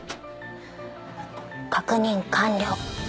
確認完了。